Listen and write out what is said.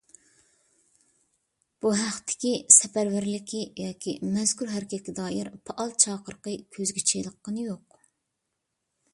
بۇ ھەقتىكى سەپەرۋەرلىكى ياكى مەزكۇر ھەرىكەتكە دائىر پائال چاقىرىقى كۆزگە چېلىققىنى يوق.